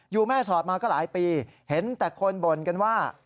แม่สอดมาก็หลายปีเห็นแต่คนบ่นกันว่า